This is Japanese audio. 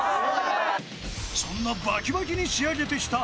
そんなバキバキに仕上げてきた